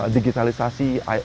digitalizasi iot technologi